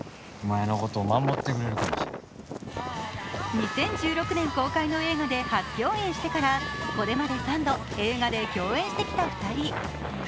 ２０１６年公開の映画で初共演してからこれまで３度、映画で共演してきた２人。